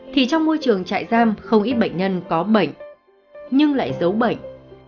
thì trong môi trường trại giam không ít bệnh nhân có bệnh nhưng lại giấu bệnh